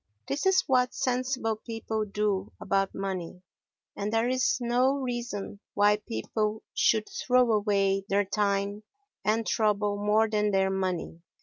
This is what sensible people do about money, and there is no reason why people should throw away their time and trouble more than their money.